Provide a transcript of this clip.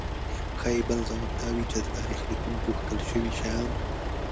ښايي بل ځواب دا وي چې د تاریخ لیکونکو کښل شوي شیان.